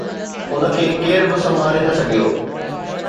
ان کي ڪير به سنڀالي نه سگهيو